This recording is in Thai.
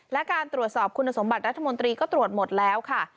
และการตรวจสอบคุณสมบัติรัฐมนตรีก็ตรวจหมดแล้วค่ะ